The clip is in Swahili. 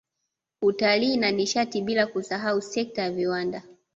Utalii na Nishati bila kusahau sekta ya viwanda